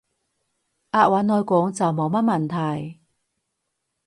押韻來講，就冇乜問題